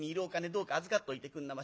どうか預かっといてくんなまし。